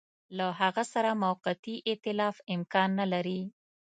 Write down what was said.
له هغه سره موقتي ایتلاف امکان نه لري.